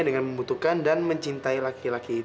dengan membutuhkan dan mencintai laki laki itu